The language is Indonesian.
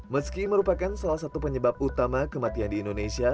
meski merupakan salah satu penyebab utama kematian di indonesia